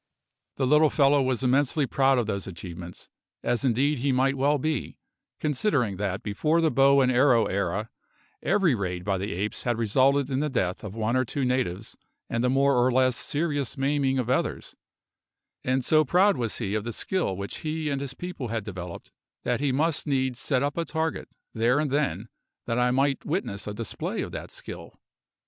The little fellow was immensely proud of those achievements as indeed he might well be, considering that before the bow and arrow era every raid by the apes had resulted in the death of one or two natives and the more or less serious maiming of others; and so proud was he of the skill which he and his people had developed that he must needs set up a target, there and then, that I might witness a display of that skill.